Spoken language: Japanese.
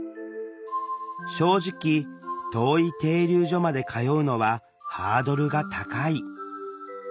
正直遠い停留所まで通うのはハードルが高い。